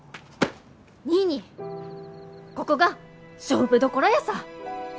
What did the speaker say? ニーニーここが勝負どころヤサ！